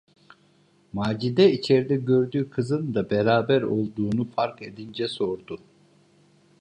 Macide içerde gördüğü kızın da beraber olduğunu fark edince sordu: